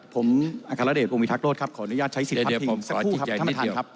ผมอัครเดชกรุงวิทักษ์โลศครับขออนุญาตใช้๑๐พักถึงสักครู่ครับท่านประธานครับ